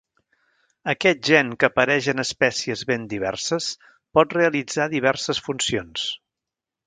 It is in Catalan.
Aquest gen que apareix en espècies ben diverses pot realitzar diverses funcions.